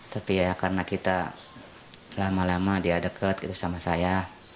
tapi ya karena kita lama lama dia deket gitu sama saya